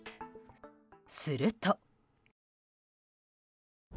すると。